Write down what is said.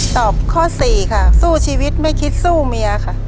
ตอบข้อสี่ค่ะสู้ชีวิตไม่คิดสู้เมียค่ะ